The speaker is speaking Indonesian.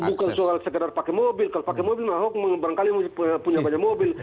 bukan soal sekedar pakai mobil kalau pakai mobil ahok barangkali punya banyak mobil